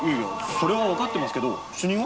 それはわかってますけど主任は？